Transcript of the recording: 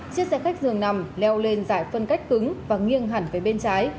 chiếc xe khách dường nằm leo lên giải phân cách cứng và nghiêng hẳn về bên trái